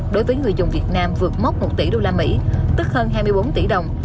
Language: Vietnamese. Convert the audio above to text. đối với người dùng việt nam vượt mốc một tỷ đô la mỹ tức hơn hai mươi bốn tỷ đồng